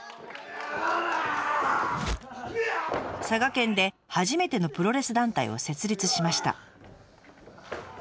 佐賀県で初めてのプロレス団体を設立しました。